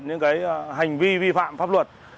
những cái hành vi vi phạm pháp luật